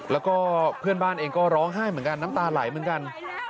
แล้วก็เพื่อนบ้านเองก็ร้องไห้เหมือนกันน้ำตาไหลเหมือนกัน